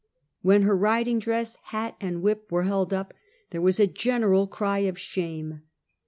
When her riding dress, hat and wliip were held up, there was a general cry of shame.